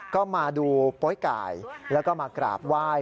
ก็มาดูโป๊ยไก่แล้วก็มากราบไหว้